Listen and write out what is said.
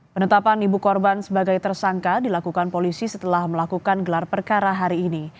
penetapan ibu korban sebagai tersangka dilakukan polisi setelah melakukan gelar perkara hari ini